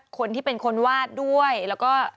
คนที่เป็นคนวาดด้วยแล้วก็